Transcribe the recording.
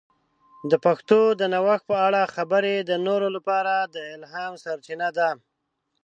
د پښتو د نوښت په اړه خبرې د نورو لپاره د الهام سرچینه ده.